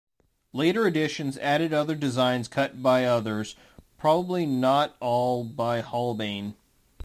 Later editions added other designs cut by others, probably not all by Holbein.